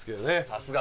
さすが！